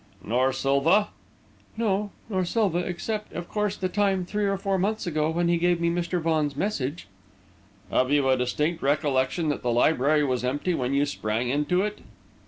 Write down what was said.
"Nor Silva?" "No, nor Silva except, of course, the time, three or four months ago, when he gave me Mr. Vaughan's message." "Have you a distinct recollection that the library was empty when you sprang into it?"